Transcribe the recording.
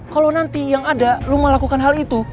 kalo nanti yang ada lu mau lakukan hal itu